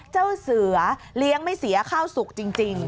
เจ้าเสือเลี้ยงไม่เสียข้าวสุกจริง